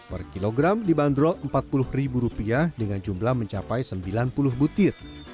per kilogram dibanderol rp empat puluh dengan jumlah mencapai sembilan puluh butir